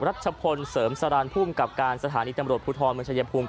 รัชพลเสริมสารภูมิกับการสถานีตำรวจภูทรเมืองชายภูมิ